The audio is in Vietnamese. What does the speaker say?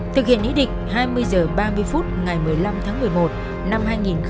thực hiện ý định hai mươi h ba mươi phút ngày một mươi năm tháng một mươi một năm hai nghìn một mươi chín